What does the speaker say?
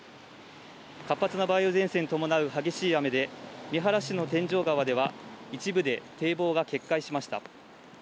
活発な梅雨前線に伴う激しい雨で、三原市の天井川では一部で堤防が決壊しました。